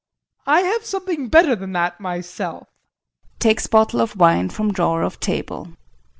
I have something better than that myself. [Takes bottle of wine from drawer of table.